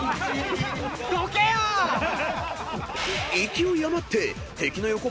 ［勢い余って敵の］